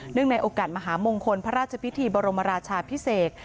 เนื่องในโอกาสมหาวิทยาลัยมงคลพระราชพิธีบรมราชาพิเศษ